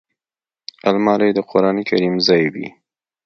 الماري د قران کریم ځای وي